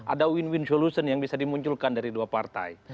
ada win win solution yang bisa dimunculkan dari dua partai